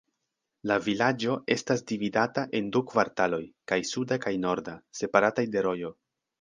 La vilaĝo estas dividata en du kvartaloj, kaj suda kaj norda, separataj de rojo.